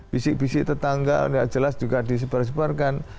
bisik bisik tetangga tidak jelas juga disebar sebarkan